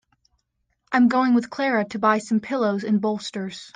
I'm going with Clara to buy some pillows and bolsters.